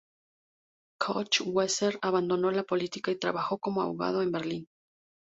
Koch-Weser abandonó la política y trabajó como abogado en Berlín.